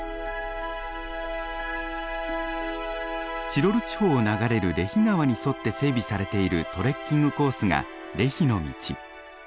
チロル地方を流れるレヒ川に沿って整備されているトレッキングコースがレヒの道。